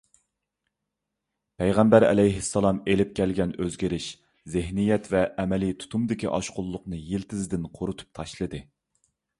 پەيغەمبەر ئەلەيھىسسالام ئېلىپ كەلگەن ئۆزگىرىش زېھنىيەت ۋە ئەمەلىي تۇتۇمدىكى ئاشقۇنلۇقنى يىلتىزىدىن قۇرۇتۇپ تاشلىدى.